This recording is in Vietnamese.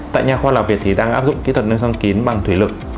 tại nhà khoa học việt thì đang áp dụng kỹ thuật nâng xoang kín bằng thủy lực